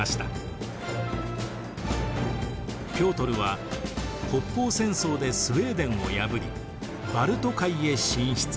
ピョートルは北方戦争でスウェーデンを破りバルト海へ進出。